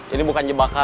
ini bukan jebakan